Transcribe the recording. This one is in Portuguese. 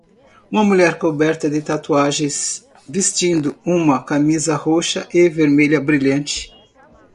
Uma mulher coberta de tatuagens vestindo uma camisa roxa e vermelha brilhante